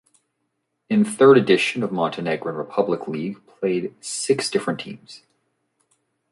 In third edition of Montenegrin Republic League played six different teams.